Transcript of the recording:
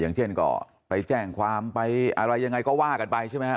อย่างเช่นก็ไปแจ้งความไปอะไรยังไงก็ว่ากันไปใช่ไหมฮะ